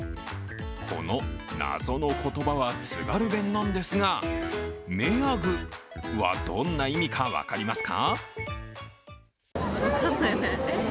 この謎の言葉は津軽弁なんですが、「めやぐ」はどんな意味か分かりますか？